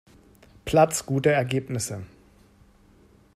Platz gute Ergebnisse.